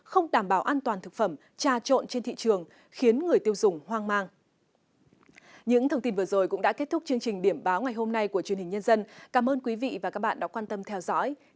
không đảm bảo an toàn thực phẩm trà trộn trên thị trường khiến người tiêu dùng hoang mang